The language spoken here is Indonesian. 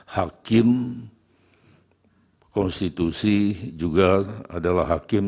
hakim konstitusi juga adalah hakim